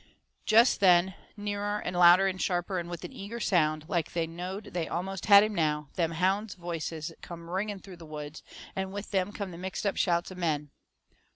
Jest then, nearer and louder and sharper, and with an eager sound, like they knowed they almost had him now, them hounds' voices come ringing through the woods, and with them come the mixedup shouts of men.